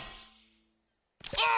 ああ。